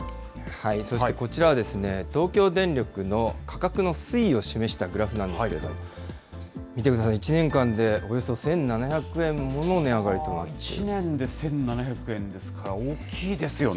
そしてこちらはですね、東京電力の価格の推移を示したグラフなんですけれども、見てください、１年間でおよそ１７００円もの値上がりとなっています。